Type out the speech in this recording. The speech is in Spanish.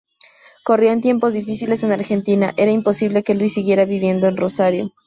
Corrían tiempos difíciles en Argentina, era imposible que Luis siguiera viviendo en Rosario.